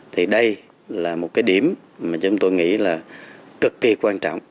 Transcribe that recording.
thì đây là một cái điểm mà chúng tôi nghĩ là cực kỳ quan trọng